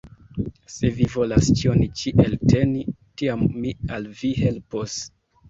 Se vi volas ĉion ĉi elteni, tiam mi al vi helpos!